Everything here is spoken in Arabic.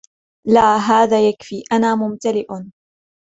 لا, هذا يكفي. أنا ممتلئ.